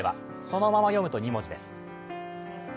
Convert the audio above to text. そのまま読むと２文字です。